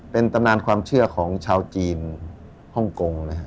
เป็นตำนานความเชื่อของชาวจีนห้องคง